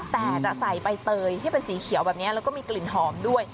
แต่จะใส่ใบเตยที่เป็นสีเขียวแบบนี้แล้วก็มีกลิ่นหอมด้วย